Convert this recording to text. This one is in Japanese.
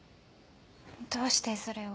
どうしてそれを？